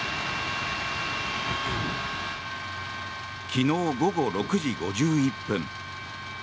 昨日午後６時５１分。